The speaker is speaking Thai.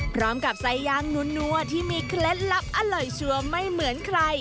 พร้อมกับไส้ยางนัวที่มีเคล็ดลับอร่อยชัวร์ไม่เหมือนใคร